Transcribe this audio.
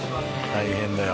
大変だよ。